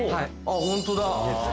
あっホントだ。